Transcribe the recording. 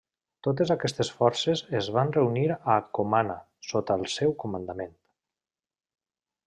Totes aquestes forces es van reunir a Comana sota el seu comandament.